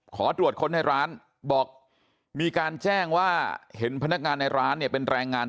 ขอตรวจคนในร้านมีการแจ้งว่าเห็นพนักงานในร้านมีแรงงาน